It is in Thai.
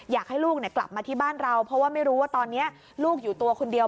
อยากให้ลูกกลับมาที่บ้านเราเพราะว่าไม่รู้ว่าตอนนี้ลูกอยู่ตัวคนเดียว